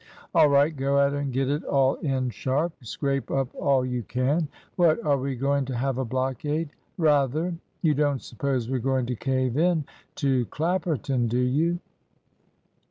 "All right; go out and get it all in, sharp. Scrape up all you can." "What, are we going to have a blockade?" "Rather. You don't suppose we're going to cave in to Clapperton, do you?"